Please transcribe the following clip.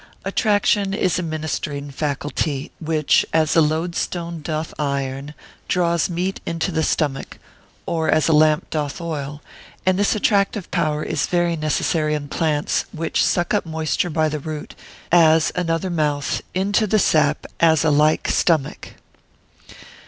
] Attraction is a ministering faculty, which, as a loadstone doth iron, draws meat into the stomach, or as a lamp doth oil; and this attractive power is very necessary in plants, which suck up moisture by the root, as, another mouth, into the sap, as a like stomach.